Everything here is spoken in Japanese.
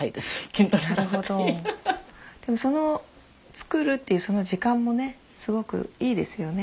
作るっていうその時間もねすごくいいですよね。